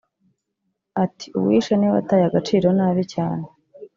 Ati “Uwishe ni we wataye agaciro nabi cyane